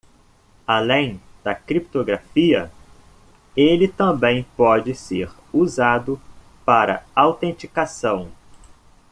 Além da criptografia?, ele também pode ser usado para autenticação.